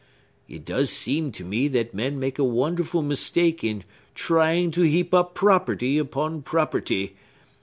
It does seem to me that men make a wonderful mistake in trying to heap up property upon property.